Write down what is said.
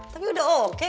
tapi udah oke